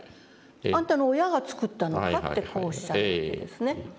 「あんたの親が作ったのか？」ってこうおっしゃるわけですね。